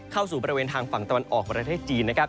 เข้าสู่บริเวณทางฝั่งตะวันออกประเทศจีนนะครับ